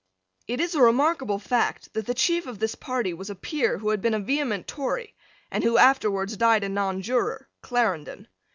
It is a remarkable fact that the chief of this party was a peer who had been a vehement Tory, and who afterwards died a Nonjuror, Clarendon.